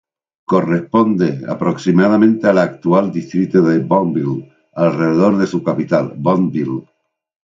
Corresponde aproximadamente al actual Distrito de Bonneville, alrededor de su capital, Bonneville.